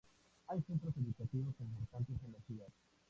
Hay centros educativos importantes en la ciudad.